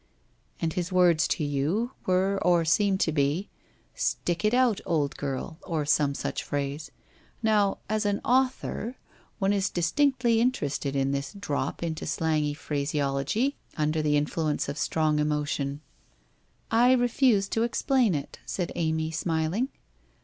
' And his words to you were or seemed to be —" Stick it out, old girl !" or some such phrase. Now, as an author, one is distinctly interested in this drop into slangy phrase ology under the influence of strong emotion '' I refuse to explain it,' said Amy, smiling.